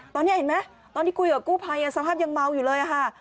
ตอนนี้เห็นไหมตอนที่คุยกับกู้ภัยสภาพยังเมาอยู่เลยค่ะ